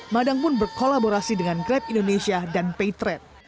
madang pun berkolaborasi dengan grab indonesia dan paytrade